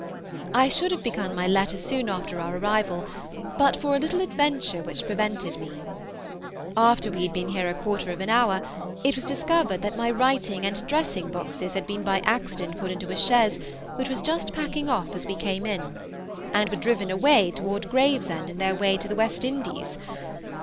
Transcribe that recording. I should have begun my letter soon after our arrival, but for a little adventure which prevented me. After we had been here a quarter of an hour it was discovered that my writing and dressing boxes had been by accident put into a chaise which was just packing off as we came in, and were driven away toward Gravesend in their way to the West Indies.